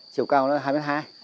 chiều cao nó là hai m hai